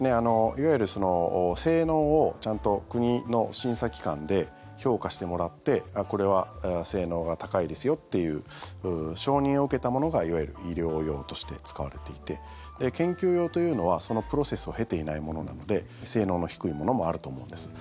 いわゆる性能をちゃんと国の審査機関で評価してもらってこれは性能が高いですよっていう承認を受けたものがいわゆる医療用として使われていて研究用というのはそのプロセスを経ていないものなので性能の低いものもあると思うんです。